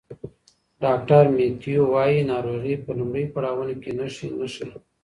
ډاکټر میتیو وايي ناروغي په لومړیو پړاوونو کې نښې نه ښيي.